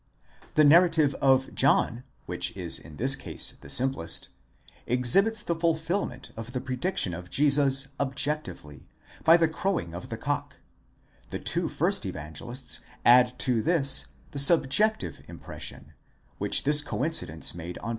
The narrative of John, which is in this case the simplest, exhibits the fulfilment of the pre diction of Jesus objectively, by the crowing of the cock ; the two first Evan gelists add to this the subjective impression, which this coincidence made on.